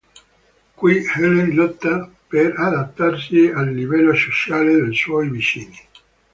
Qui Helen lotta per adattarsi al livello sociale dei suoi vicini.